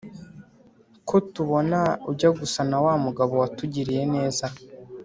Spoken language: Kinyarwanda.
ko tubona ujya gusa na wa mugabo watugiriye neza?"